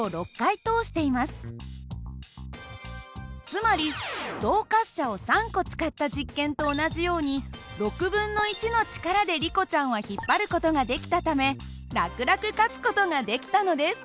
つまり動滑車を３個使った実験と同じように６分の１の力でリコちゃんは引っ張る事ができたため楽々勝つ事ができたのです。